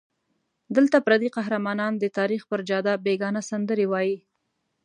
دلته پردي قهرمانان د تاریخ پر جاده بېګانه سندرې وایي.